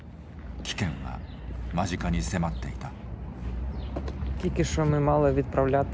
危険は間近に迫っていた。